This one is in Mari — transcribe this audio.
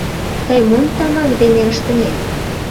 — Тый мом тамак дене ыштынет?